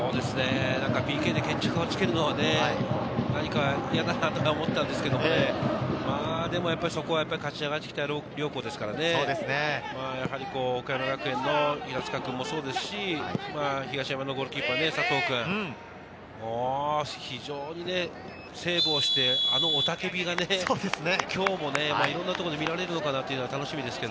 ＰＫで決着をつけるのは何か嫌だなと思ったんですけど、そこはやっぱり勝ち上がってきた両校ですからね、岡山学芸館の平塚君もそうですし、東山の佐藤君、非常にセーブをして、あの雄たけびがね、今日もいろんなところで見られるのかなと楽しみですが。